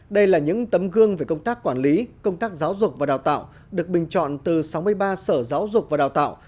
đây là những tấm gương về công tác quản lý công tác giáo dục và đào tạo được bình chọn từ sáu mươi ba sở giáo dục và đào tạo